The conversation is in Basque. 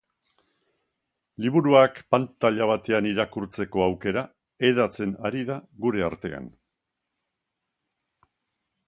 Liburuak pantaila batean irakurtzeko aukera hedatzen ari da gure artean.